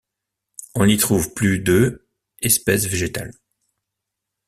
On y trouve plus de espèces végétales.